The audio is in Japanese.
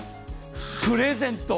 プレゼント。